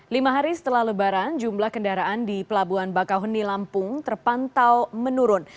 lima hari setelah lebaran jumlah kendaraan di pelabuhan bakauheni lampung terpantau menurun